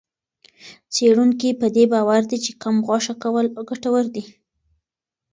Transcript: څېړونکي په دې باور دي چې کم غوښه کول ګټور دي.